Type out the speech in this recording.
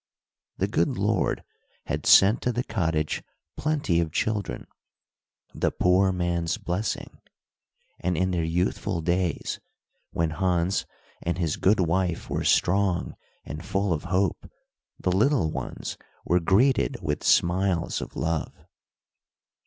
The good Lord had sent to the cottage plenty of children, "the poor man's blessing;" and in their youthful days, when Hans and his good wife were strong and full of hope, the little ones were greeted with smiles of love.